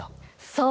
そう。